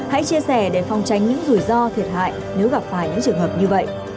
hãy chia sẻ để phòng tránh những rủi ro thiệt hại nếu gặp phải những trường hợp như vậy